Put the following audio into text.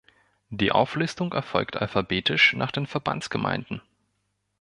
Die Auflistung erfolgt alphabetisch nach den Verbandsgemeinden.